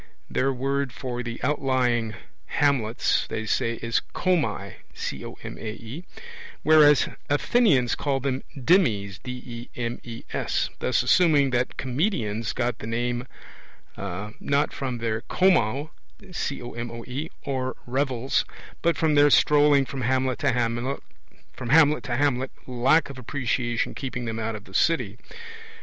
Their word for the outlying hamlets, they say, is comae, whereas Athenians call them demes thus assuming that comedians got the name not from their comoe or revels, but from their strolling from hamlet to hamlet, lack of appreciation keeping them out of the city.